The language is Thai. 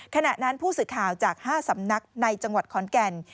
ขณะนั้นผู้สื่อข่าวจาก๕สำนักในจังหวัดขอนแก่น